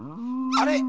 あれ？